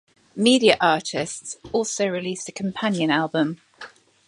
Media Artists also released a companion album.